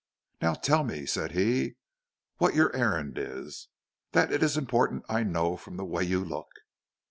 "Now tell me," said he, "what your errand is. That it is important I know from the way you look.